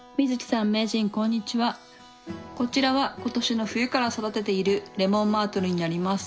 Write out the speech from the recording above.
こちらは今年の冬から育てているレモンマートルになります。